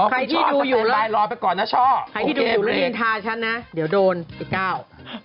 ใครที่ดูอยู่แล้วเรียนทาฉันนะเดี๋ยวโดนอีกก้าว